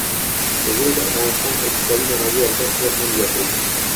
وګړي د افغانستان د اقتصادي منابعو ارزښت نور هم زیاتوي.